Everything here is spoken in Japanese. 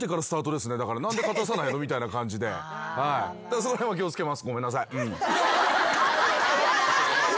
その辺は気を付けます。